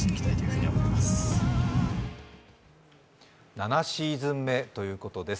７シーズン目ということです。